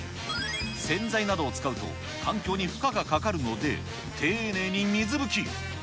洗剤などを使うと環境に負荷がかかるので、丁寧に水拭き。